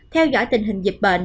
theo dõi tình hình dịch bệnh